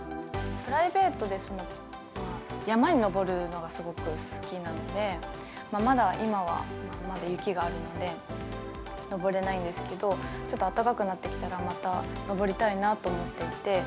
プライベートで山に登るのがすごく好きなので、まだ、今はまだ雪があるので、登れないんですけれども、ちょっと暖かくなってきたら、また登りたいなと思っていて。